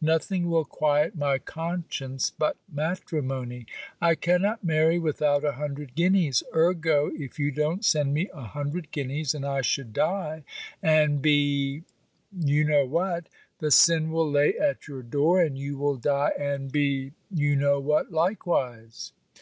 Nothing will quiet my conscience but matrimony. I cannot marry without a hundred guineas. Ergo, if you don't send me a hundred guineas, and I should die, and be , the sin will lay at your door, and you will die and be likewise.